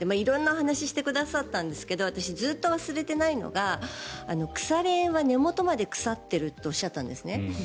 色んなお話をしてくださったんですけど私ずっと忘れていないのが腐れ縁は根元まで腐ってるっておっしゃったんですね。